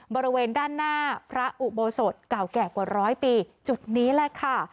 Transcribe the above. บริเวณด้านหน้าพระอุโบสถเก่าแก่กว่าร้อยปีจุดนี้แหละค่ะ